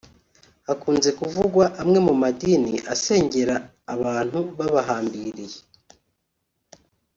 Hakunze kuvugwa amwe mu madini asengera abantu babahambiriye